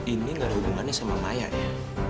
ini gak ada hubungannya sama maya ya